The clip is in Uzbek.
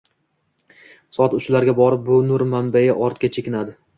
Soat uchlarga borib bu nur manbayi ortga chekinadi